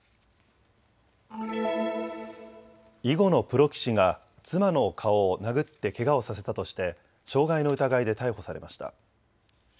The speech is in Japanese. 囲碁のプロ棋士が妻の顔を殴ってけがをさせたとして傷害の疑いで逮捕されました。